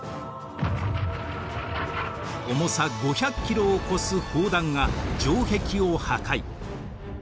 重さ５００キロを超す砲弾が城壁を破壊。